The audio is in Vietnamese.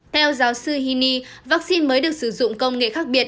theo giáo sư hini vaccine mới được sử dụng công nghệ khác biệt